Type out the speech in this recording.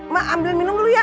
mak ambil minum dulu ya